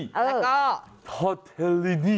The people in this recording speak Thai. แล้วก็ทอเทลลินี่